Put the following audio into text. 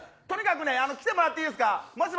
とにかく来てもらっていいですか。